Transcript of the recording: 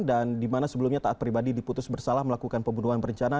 dan di mana sebelumnya taat pribadi diputus bersalah melakukan pembunuhan berencana